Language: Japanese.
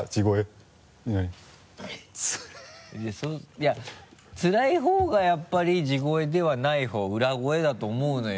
いやつらい方がやっぱり地声ではない方裏声だと思うのよ